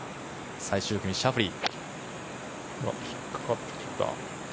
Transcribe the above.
最終組、シャフリー。